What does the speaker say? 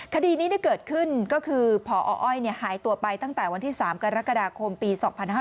คดีนี้เกิดขึ้นก็คือพออ้อยหายตัวไปตั้งแต่วันที่๓กรกฎาคมปี๒๕๕๙